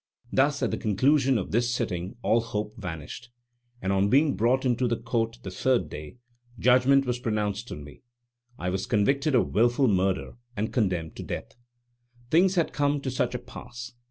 Thus at the conclusion of this sitting all hope vanished, and on being brought into the Court the third day, judgment was pronounced on me. I was convicted of wilful murder and condemned to death. Things had come to such a pass!